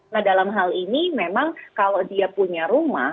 nah dalam hal ini memang kalau dia punya rumah